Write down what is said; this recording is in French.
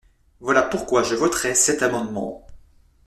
Voilà pourquoi je voterai cet amendement.